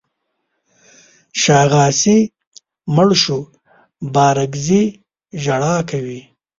شاغاسي مړ شو بارکزي ژړا کوي.